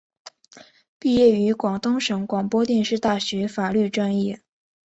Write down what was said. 毕业于广东省广播电视大学法律专业。